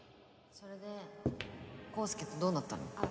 それで康祐とどうなったの？